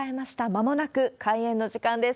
まもなく開演の時間です。